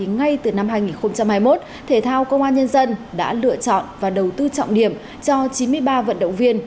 ngay từ năm hai nghìn hai mươi một thể thao công an nhân dân đã lựa chọn và đầu tư trọng điểm cho chín mươi ba vận động viên